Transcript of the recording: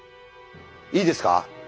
いいですか。